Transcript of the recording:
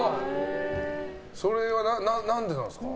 それは何でなんですか？